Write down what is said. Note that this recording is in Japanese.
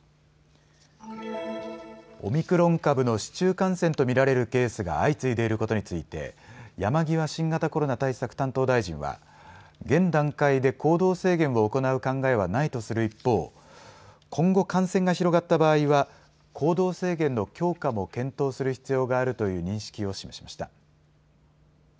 オミクロン株の市中感染と見られるケースが相次いでいることについて山際新型コロナ対策担当大臣は現段階で行動制限を行う考えはないとする一方、今後、感染が広がった場合は行動制限の強化も検討する必要があるという認識を示しました。